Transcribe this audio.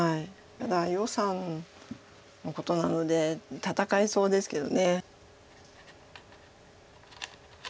ただ余さんのことなので戦いそうですけど。